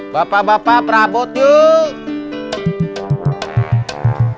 bapak bapak perabot yuk